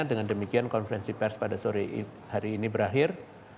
dengan demikian konferensi pers pada sore hari ini berakhir